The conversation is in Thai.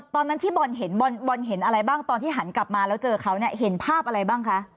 ตอนนั้นที่บอลเห็นบอลเห็นอะไรบ้างตอนที่หันกลับมาแล้วเจอเขาเนี่ยเห็นภาพอะไรบ้างคะ